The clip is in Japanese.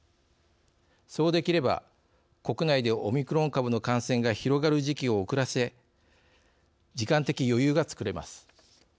そうできれば国内でオミクロン株の感染が広がる時期を遅らせ時間的余裕がつくれます。